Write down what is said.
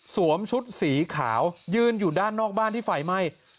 ชุดสีขาวยืนอยู่ด้านนอกบ้านที่ไฟไหม้